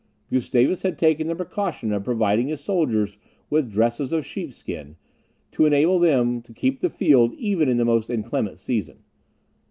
Gustavus had taken the precaution of providing his soldiers with dresses of sheep skin, to enable them to keep the field even in the most inclement season.